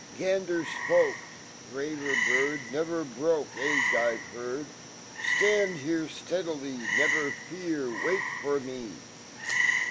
/' Gander fpoke. Braver bird Never broke E gg,Pv heard: tl 5tand here Steadily, Never fear, Wait for me.